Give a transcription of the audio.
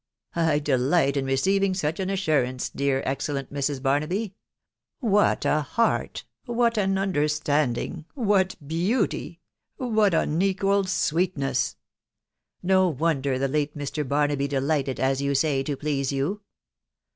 " 1 delight in receiving such an assurance .... dear, ex cellent Mrs. Barnaby !.... What a heart !.... what an understanding !•••• what beauty !•••. what unequalled sweetness ! No wonder the late Mr. Barnaby delighted, as you say, to please you